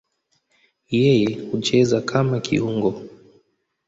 Yeye hucheza kama kiungo.